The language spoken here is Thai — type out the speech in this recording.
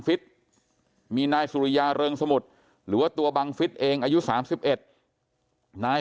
ฟิตมีนายสุริยาเริงสมุทรหรือว่าตัวบังฟิศเองอายุ๓๑นาย